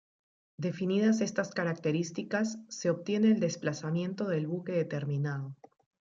Definidas estas características se obtiene el desplazamiento del buque determinado.